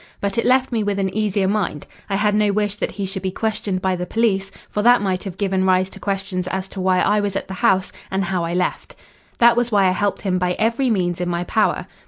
But it left me with an easier mind. I had no wish that he should be questioned by the police, for that might have given rise to questions as to why I was at the house, and how I left. "That was why I helped him by every means in my power.